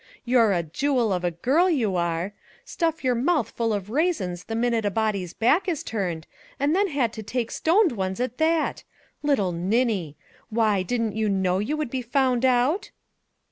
You're a jewel of a girl, you are ! Stuff your mouth full of raisins the min ute a body's back is turned; and had to take stoned ones at that. Little ninny ! Why, didn't you know you would be found out